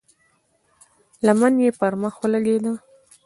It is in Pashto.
لمن يې پر مخ ولګېده.